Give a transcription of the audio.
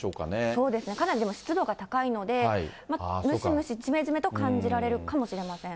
そうですね、かなり、でも湿度が高いので、ムシムシ、じめじめと感じられるかもしれません。